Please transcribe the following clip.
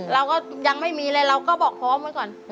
เราก็ยังไม่มีเลยเราก็บอกพร้อมไว้ก่อน